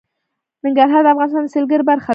ننګرهار د افغانستان د سیلګرۍ برخه ده.